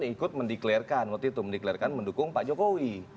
ikut mendiklirkan mendukung pak jokowi